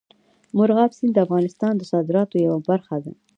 مورغاب سیند د افغانستان د صادراتو یوه برخه ده.